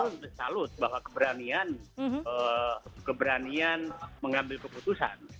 saya betul betul salut bahwa keberanian mengambil keputusan